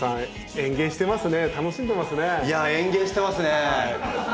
園芸してますね！